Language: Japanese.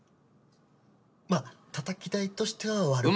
まあたたき台としては悪く。